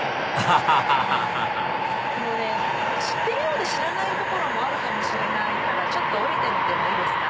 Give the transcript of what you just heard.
アハハハハでも知ってるようで知らない所もあるかもしれないから降りてみてもいいですか？